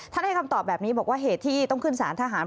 ให้คำตอบแบบนี้บอกว่าเหตุที่ต้องขึ้นสารทหาร